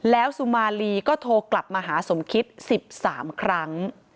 แล้วสุมาลีก็โทรกลับมาหาสมคิต๑๓ครั้ง